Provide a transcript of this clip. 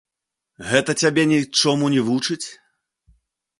Гэта цябе нічому не вучыць?